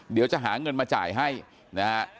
เดี๋ยวจะหาเงินมาจ่ายให้นะฮะ